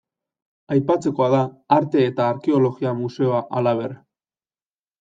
Aipatzekoa da Arte eta Arkeologia museoa halaber.